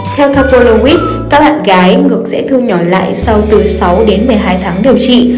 theo kapolowicz các bạn gái ngực sẽ thương nhỏ lại sau từ sáu đến một mươi hai tháng điều trị